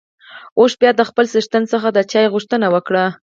اوښ بيا د خپل څښتن څخه د چای غوښتنه وکړه.